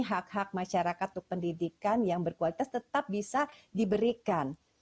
hak hak masyarakat untuk pendidikan yang berkualitas tetap bisa diberikan